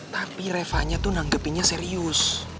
tapi revanya tuh nangkepinnya serius